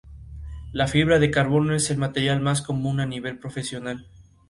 La fibra de carbono es el material más común a nivel profesional.